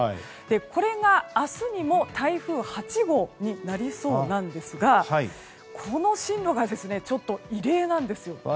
これが明日にも台風８号になりそうなんですがこの進路がちょっと異例なんです。